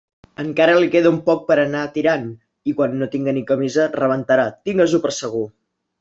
Encara li queda un poc per a anar tirant; i quan no tinga ni camisa, rebentarà, tingues-ho per segur.